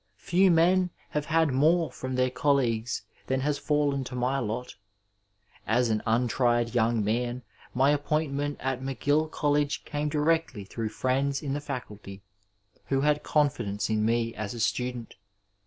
Few men have had more from their colleagues than has fallen to my lot. As an untried young man my appoint ment at McGill Ck)llege came directly through friends in the faculty who had confidence in me as a student.